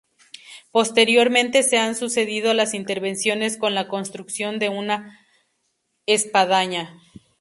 Posteriormente se han sucedido las intervenciones con la construcción de una espadaña.